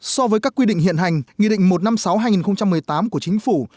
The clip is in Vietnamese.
so với các quy định hiện hành nghị định một trăm năm mươi sáu hai nghìn một mươi tám của chính phủ